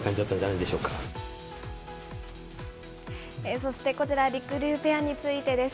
そして、こちら、りくりゅうペアについてです。